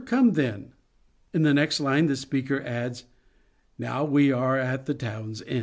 Come then." In the next line the speaker adds :" Now we are at the town's end."